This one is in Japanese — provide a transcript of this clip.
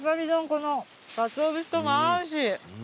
このかつお節とも合うし。